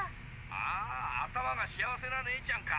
「ああ頭が幸せなねえちゃんか」。